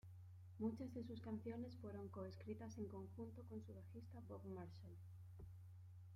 Muchas de sus canciones fueron co-escritas en conjunto con su bajista Bob Marshall.